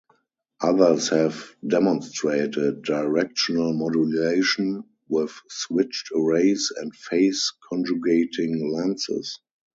Others have demonstrated directional modulation with switched arrays and phase-conjugating lenses.